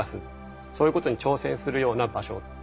そういうことに挑戦するような場所ですね。